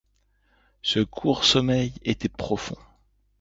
Ce court sommeil était profond.